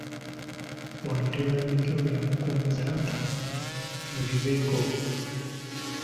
Wano Tebandeke we yamukomeza nti, “Ebyo biveeko.